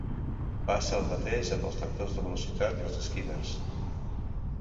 Passa el mateix amb els lectors de velocitat i els skimmers.